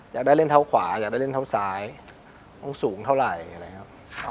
อยากได้เล่นเท้าขวาอยากได้เล่นเท้าซ้ายต้องสูงเท่าไหร่อะไรอย่างนี้ครับ